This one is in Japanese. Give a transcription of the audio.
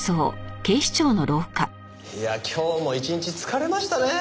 いや今日も一日疲れましたね。